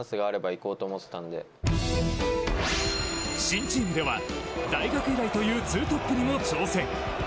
新チームでは大学以来という２トップにも挑戦。